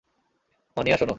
মানিয়া, শোনো!